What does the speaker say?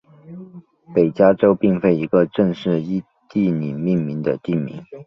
北加州并非一个正式依地理命名的地名。